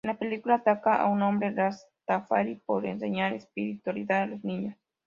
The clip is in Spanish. En la película, ataca a un hombre rastafari por enseñar espiritualidad a los niños.